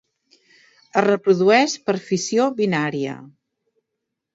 Es reprodueix per fissió binària.